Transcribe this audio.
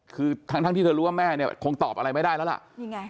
คือทั้งทั้งที่เธอรู้ว่าแม่เนี่ยคงตอบอะไรไม่ได้แล้วล่ะนี่ไง